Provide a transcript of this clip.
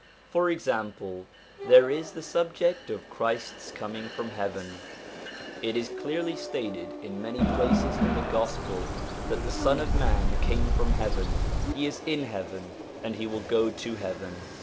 For example, there is the subject of Christ's coming from heaven : it is clearly stated in many places in the Gospel that the Son of man came from heaven, he is in heaven, and he will go to heaven.